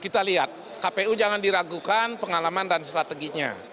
kita lihat kpu jangan diragukan pengalaman dan strateginya